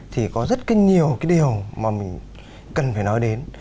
thì có rất nhiều cái điều mà mình cần phải nói đến